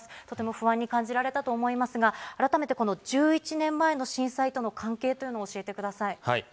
とても不安に感じられたと思いますが改めて１１年前の震災との関係というのを教えてください。